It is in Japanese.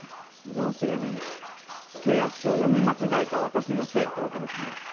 要するに契約書を読み間違えた私のせいってわけですね。